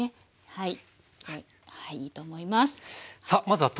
はい。